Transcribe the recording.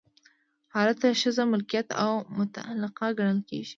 هلته ښځه ملکیت او متعلقه ګڼل کیږي.